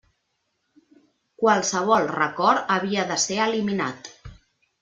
Qualsevol record havia de ser eliminat.